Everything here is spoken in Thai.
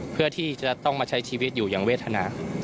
เพื่อที่จะต้องมาใช้ชีวิตอยู่อย่างเวทนา